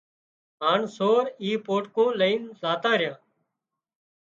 هانَ سور اي پوٽڪون لئينَ زاتا ريا